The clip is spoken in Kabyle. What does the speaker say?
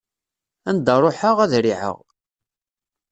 Anda ruḥeɣ, ad riɛeɣ.